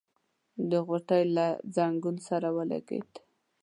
د غوټۍ له ځنګنو سره ولګېد.